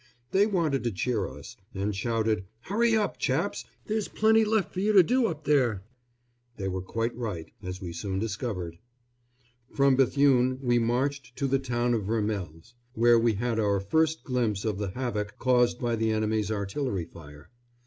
They wanted to cheer us, and shouted, "Hurry up, chaps; there's plenty left for you to do up there." They were quite right, as we soon discovered. From Bethune we marched to the town of Vermelles, where we had our first glimpse of the havoc caused by the enemy's artillery fire.